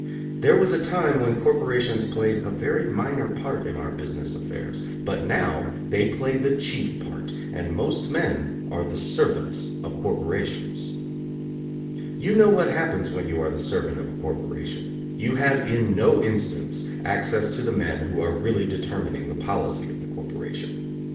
There was a time when corporations played a very minor part in our business affairs, but now they play the chief part, and most men are the servants of corporations. You know what happens when you are the servant of a corporation. You have in no instance access to the men who are really determining the policy of the corporation.